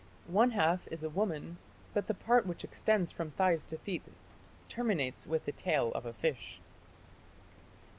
One half is a woman, but the part which extends from thighs to feet terminates with the tail of a fish."